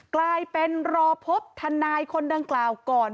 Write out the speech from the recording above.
กลายเป็นรอพบทนายคนดังกล่าวก่อน